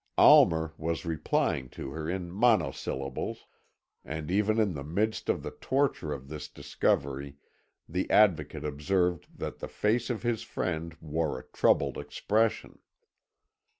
Almer was replying to her in monosyllables, and even in the midst of the torture of this discovery, the Advocate observed that the face of his friend wore a troubled expression.